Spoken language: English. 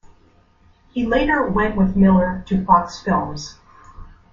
He later went with Miller to Fox Films.